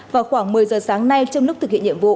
vào khoảng một mươi giờ sáng nay trong lúc thực hiện nhiệm vụ